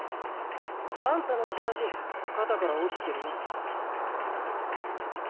アンタのジャージー肩から落ちてるよ。